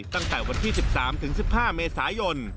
ตั้งแต่วันที่๑๓๑๕เมษายน